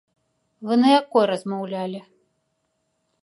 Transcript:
Вы на якой размаўлялі?